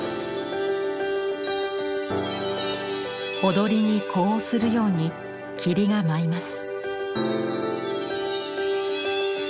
踊りに呼応するように霧が舞います。